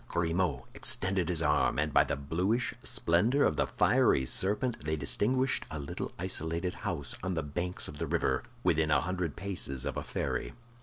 Grimaud extended his arm, and by the bluish splendor of the fiery serpent they distinguished a little isolated house on the banks of the river, within a hundred paces of a ferry.